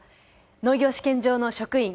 農業試験場の職員。